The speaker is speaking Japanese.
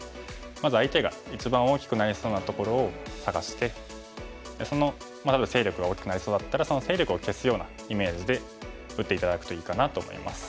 まず相手が一番大きくなりそうなところを探してその例えば勢力が大きくなりそうだったらその勢力を消すようなイメージで打って頂くといいかなと思います。